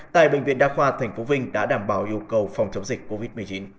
tại bệnh viện đa khoa tp vinh đã đảm bảo yêu cầu phòng chống dịch covid một mươi chín